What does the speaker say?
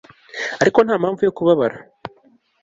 ariko nta mpamvu yo kubabara